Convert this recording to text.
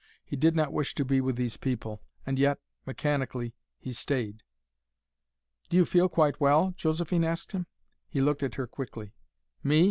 He did not wish to be with these people, and yet, mechanically, he stayed. "Do you feel quite well?" Josephine asked him. He looked at her quickly. "Me?"